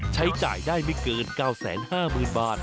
ใช้จ่ายได้ไม่เกิน๙๕๐๐๐บาท